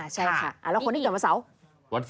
ใช่ค่ะแล้วคนที่เกิดวันเสาร์